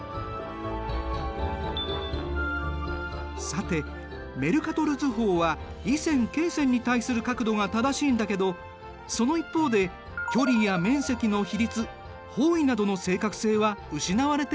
さてメルカトル図法は緯線・経線に対する角度が正しいんだけどその一方で距離や面積の比率方位などの正確性は失われているんだ。